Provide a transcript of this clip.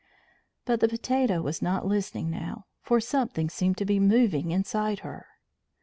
But the potato was not listening now, for something seemed to be moving inside her.